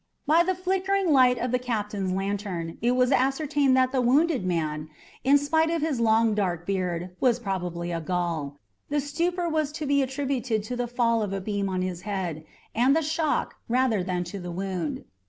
By the flickering light of the captain's lantern it was ascertained that the wounded man, in spite of his long dark beard, was probably a Gaul. The stupor was to be attributed to the fall of a beam on his head, and the shock, rather than to the wound.